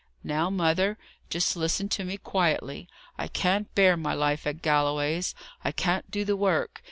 "Now, mother, just listen to me quietly. I can't bear my life at Galloway's. I can't do the work.